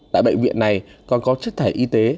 tại bệnh viện này còn có chất thải y tế